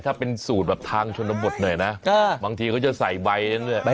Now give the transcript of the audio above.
ถ้าเป็นสูตรแบบทางชนบทหน่อยนะบางทีเขาจะใส่ใบนั้นเนี่ย